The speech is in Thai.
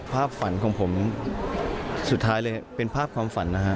ฝันของผมสุดท้ายเลยเป็นภาพความฝันนะฮะ